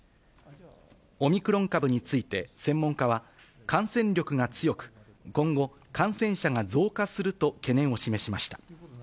オミクロン株について、専門家は、感染力が強く、今後、感染者が増加すると懸念を示しました。